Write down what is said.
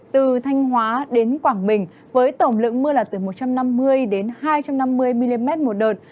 từ thanh hóa đến quảng bình với tổng lượng mưa là từ một trăm năm mươi đến hai trăm năm mươi mm một đợt